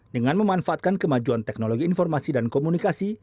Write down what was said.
dengan memanfaatkan kemajuan teknologi informasi dan komunikasi